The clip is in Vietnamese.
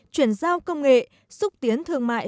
chuyển giao công nghệ xúc tiến thương mại